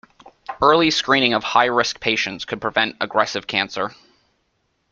Early screening of high-risk patients could prevent aggressive cancer.